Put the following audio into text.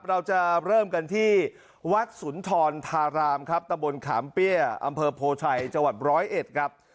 เราจะเริ่มกันที่วัดสุนทรธารามครับตะบนขามเปี้ยอำเภอโพชัยจังหวัดร้อยเอ็ดครับ